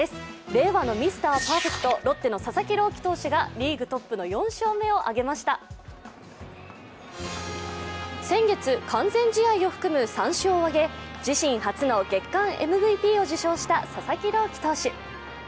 令和のミスターパーフェクト、ロッテの佐々木朗希投手がリーグトップの４勝目を挙げました先月、完全試合を含む３勝を挙げ自身初の月間ＭＶＰを受賞した佐々木朗希投手。